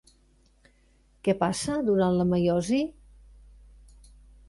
Què passa durant la meiosi?